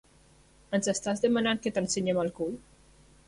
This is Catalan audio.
Ens estàs demanant que t'ensenyem el cul?